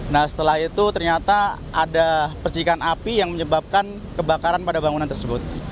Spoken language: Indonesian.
nah setelah itu ternyata ada percikan api yang menyebabkan kebakaran pada bangunan tersebut